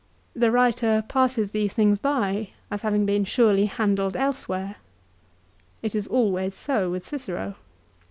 The writer passes these things by, as having been surely handled elsewhere. It is always so with Cicero.